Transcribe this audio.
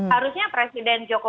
harusnya presiden bisa mengatakan